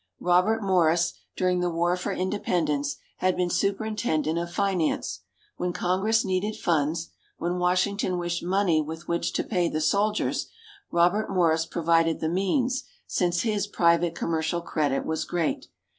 Robert Morris, during the War for Independence, had been Superintendent of Finance. When Congress needed funds, when Washington wished money with which to pay the soldiers, Robert Morris provided the means since his private commercial credit was great.